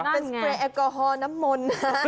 เป็นสเปรย์แอลกอฮอลน้ำมนต์นะ